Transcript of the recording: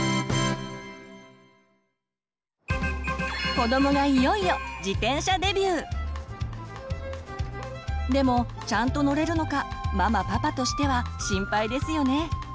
子どもがいよいよでもちゃんと乗れるのかママパパとしては心配ですよね。